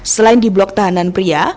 selain di blok tahanan pria